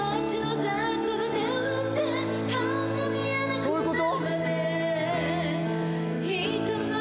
そういうこと？